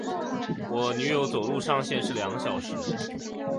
我女友走路上限是两小时